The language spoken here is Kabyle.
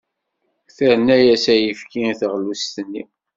Terna-as ayefki i teɣlust-nni.